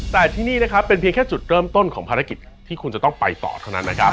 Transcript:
แต่ที่นี่นะครับเป็นเพียงแค่จุดเริ่มต้นของภารกิจที่คุณจะต้องไปต่อเท่านั้นนะครับ